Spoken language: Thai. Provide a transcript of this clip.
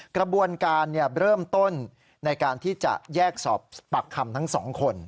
กระบวนการเริ่มต้นในการที่จะแยกสอบปากคำทั้งสองคน